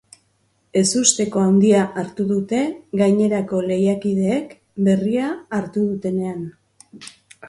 Ezusteko handia hartu dute gainerako lehiakideek berria hartu dutenean.